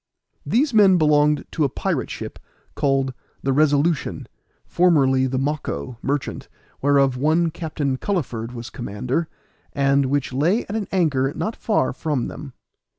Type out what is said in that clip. These men belonged to a pirate ship, called the Resolution, formerly the Mocco, merchant, whereof one Captain Culliford was commander, and which lay at an anchor not far from them.